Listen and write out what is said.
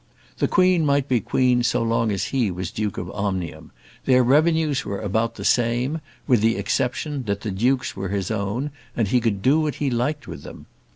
The Queen might be queen so long as he was Duke of Omnium. Their revenues were about the same, with the exception, that the duke's were his own, and he could do what he liked with them.